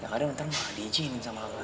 ya kadang ntar gak diizinin sama abah